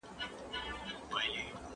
هرځل چې واکسین تطبیق شي، وباوې مهار کېږي.